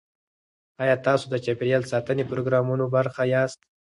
ایا تاسو د چاپیریال ساتنې پروګرامونو برخه یاست؟